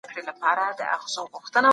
که قانون نه وي ځنګلي قانون حاکمیږي.